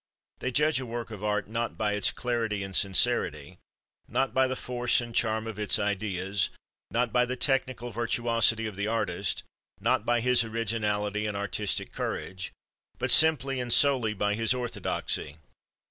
They judge a work of art, not by its clarity and sincerity, not by the force and charm of its ideas, not by the technical virtuosity of the artist, not by his originality and artistic courage, but simply and solely by his orthodoxy.